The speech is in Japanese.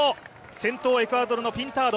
先頭はエクアドルのピンタード。